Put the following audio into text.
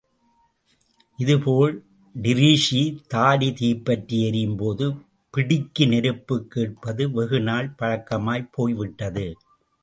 இதுபோல் டிரீஸி தாடி தீப்பற்றி எரியும்போது பிடிக்கு நெருப்புக் கேட்பது வெகு நாள் பழக்கமாய்ப் போய்விட்டது.